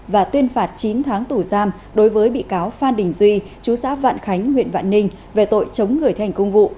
và tuyên phạt chín tháng tù giam đối với bị cáo phan đình duy chú xã vạn khánh huyện vạn ninh về tội chống người thi hành công vụ